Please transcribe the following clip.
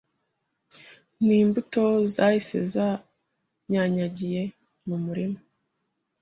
ni Imbuto zahise zanyanyagiye mu murima